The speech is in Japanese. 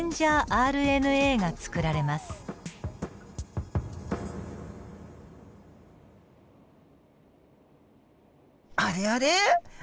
あれあれ？